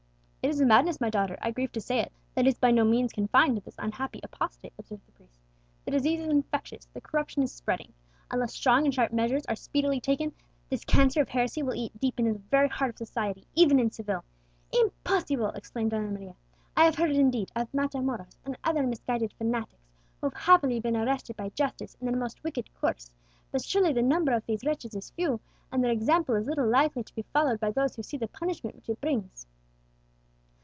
"It is a madness, my daughter, I grieve to say it, that is by no means confined to this unhappy apostate," observed the priest. "The disease is infectious, the corruption is spreading. Unless strong and sharp measures are speedily taken, this cancer of heresy will eat deep into the very heart of society even in Seville." "Impossible!" exclaimed Donna Maria. "I have heard, indeed, of Matamoros, and other misguided fanatics, who have happily been arrested by justice in their most wicked course; but surely the number of these wretches is few, and their example is little likely to be followed by those who see the punishment which it brings."